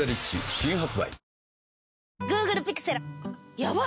新発売